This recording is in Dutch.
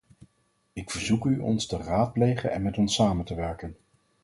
Ik verzoek u ons te raadplegen en met ons samen te werken.